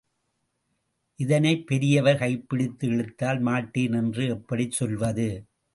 இத்தனை பெரியவர் கைப்பிடித்து இழுத்தால் மாட்டேன் என்று எப்படிச் சொல்வது?